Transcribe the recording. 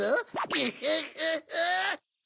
グフフフ！